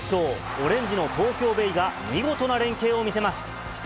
オレンジの東京ベイが見事な連係を見せます。